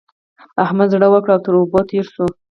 احمد زړه وکړه او تر اوبو تېر شه.